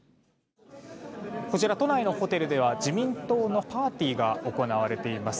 こちら、都内のホテルでは自民党のパーティーが行われています。